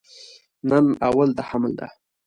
نن اول د حمل ده